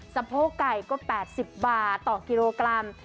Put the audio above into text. สะโพกไก่ก็๘๐บาทต่อกิโลกรัม